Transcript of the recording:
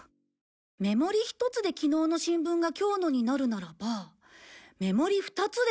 目盛り１つできのうの新聞が今日のになるならば目盛り２つで。